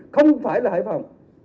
không phải là hải phòng